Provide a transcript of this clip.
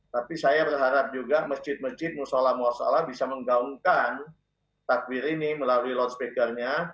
tapi saya berharap juga masjid masjid musola musola bisa menggaungkan takbir ini melalui load speakernya